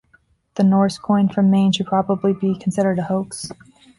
The Norse coin from Maine should probably be considered a hoax.